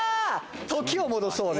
「時を戻そう」ね。